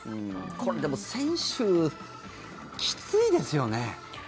これでも、選手きついですよね。